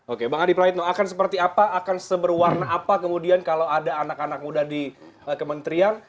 oke bang adi praetno akan seperti apa akan seberwarna apa kemudian kalau ada anak anak muda di kementerian